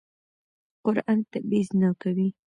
قرآن تبعیض نه کوي.